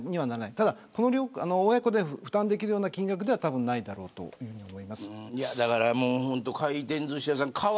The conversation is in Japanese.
ただ親子で負担ができるような金額ではないだろうと思います。